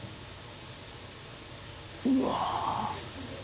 うわ。